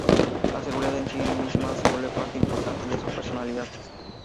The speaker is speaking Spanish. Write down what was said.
La seguridad en sí misma se vuelve parte importante de su personalidad.